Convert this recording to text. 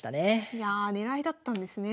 いやあ狙いだったんですね。